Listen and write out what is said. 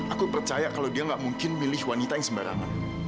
aku percaya kalau dia gak mungkin milih wanita yang sembarangan